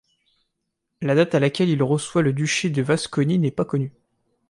La date à laquelle il reçoit le duché de Vasconie n’est pas connue.